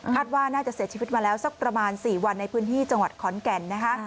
ว่าน่าจะเสียชีวิตมาแล้วสักประมาณ๔วันในพื้นที่จังหวัดขอนแก่นนะคะ